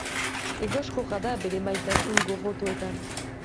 Egoskorra da bere maitasun-gorrotoetan.